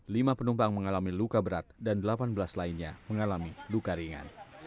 lima penumpang mengalami luka berat dan delapan belas lainnya mengalami luka ringan